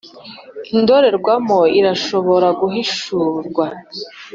n'indorerwamo irashobora guhishurwa.